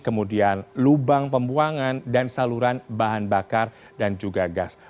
kemudian lubang pembuangan dan saluran bahan bakar dan juga gas